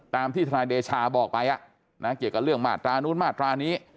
ที่ทนายเดชาบอกไปเกี่ยวกับเรื่องมาตรานู้นมาตรานี้